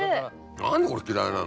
何でこれ嫌いなの？